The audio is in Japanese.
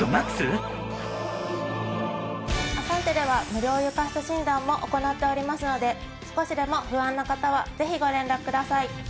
アサンテでは無料床下診断も行っておりますので少しでも不安な方はぜひご連絡ください。